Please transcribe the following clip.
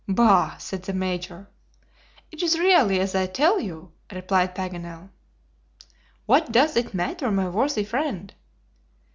"Bah!" said the Major. "It is really as I tell you," replied Paganel. "What does it matter, my worthy friend?"